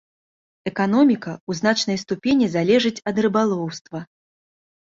Эканоміка ў значнай ступені залежыць ад рыбалоўства.